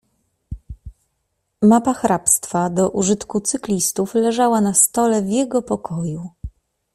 "Mapa hrabstwa do użytku cyklistów leżała na stole w jego pokoju."